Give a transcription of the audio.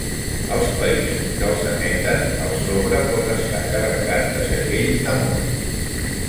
Als països que els emeten, el sobre pot estar carregat de segells d'amor.